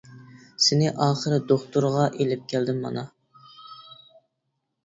سېنى ئاخىر دوختۇرغا ئېلىپ كەلدىم مانا.